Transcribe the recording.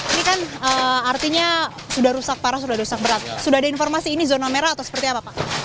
ini kan artinya sudah rusak parah sudah rusak berat sudah ada informasi ini zona merah atau seperti apa pak